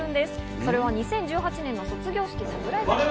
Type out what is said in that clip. それは２０１８年の卒業式サプライズ企画。